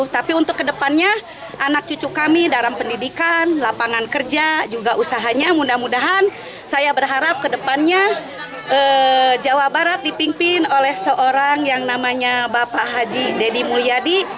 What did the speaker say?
tapi untuk kedepannya anak cucu kami dalam pendidikan lapangan kerja juga usahanya mudah mudahan saya berharap kedepannya jawa barat dipimpin oleh seorang yang namanya bapak haji deddy mulyadi